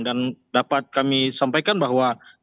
dan dapat kami sampaikan bahwa